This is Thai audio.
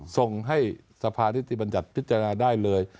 ส่งให้สภานิติบัญญัติพิจารณาได้เลย